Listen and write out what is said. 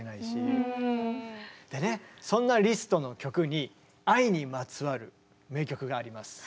でねそんなリストの曲に愛にまつわる名曲があります。